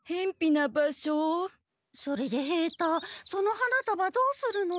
それで平太その花束どうするの？